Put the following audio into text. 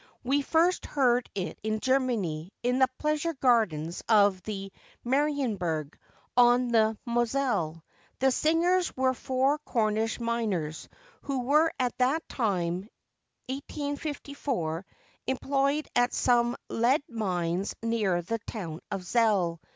We first heard it in Germany, in the pleasure gardens of the Marienberg, on the Moselle. The singers were four Cornish miners, who were at that time, 1854, employed at some lead mines near the town of Zell.